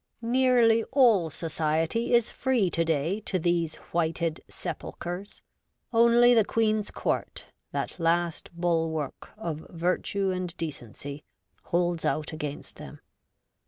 Nearly all Society is free to day to these whited sepulchres ; only the Queen's Court — that last bulwark of virtue and decency — holds out against them.